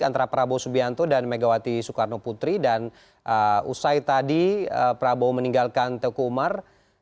antara prabowo subianto dan megawati soekarno putri dan usai tadi prabowo meninggalkan teku umar